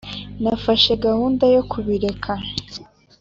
nafashe gahunda yo kubireka